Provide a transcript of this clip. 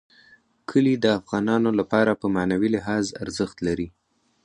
کلي د افغانانو لپاره په معنوي لحاظ ارزښت لري.